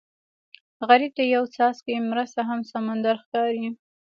غریب ته یو څاڅکی مرسته هم سمندر ښکاري